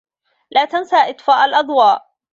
لا تنس إطفاء الأضواء.